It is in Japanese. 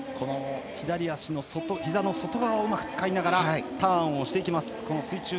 左足のひざの外側をうまく使いながらターンします。